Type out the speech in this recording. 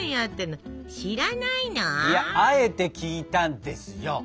いやあえて聞いたんですよ。